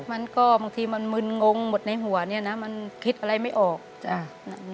บางทีมันมึนงงหมดในหัวเนี่ยนะมันคิดอะไรไม่ออกจ้ะ